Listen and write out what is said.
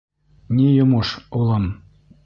— Ни йомош, улым?